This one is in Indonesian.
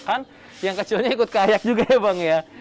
kan yang kecilnya ikut keayak juga ya bang ya